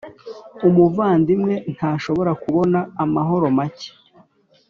umuvandimwe ntashobora kubona amahoro make?